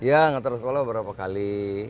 iya ngantar sekolah beberapa kali